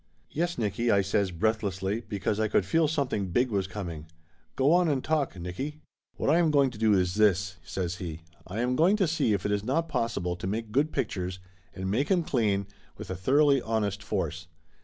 "Yes, Nicky!" I says breathlessly, because I could feel something big was coming. "Go on and talk, Nicky!" Laughter Limited 193 "What I am going to do is this," says he. "I am going to see if it is not possible to make good pictures, and make 'em clean, with a thoroughly honest force.